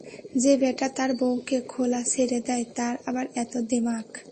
যে ব্যাটা তার বউকে খোলা ছেড়ে দেয় তার আবার এত দেমাক।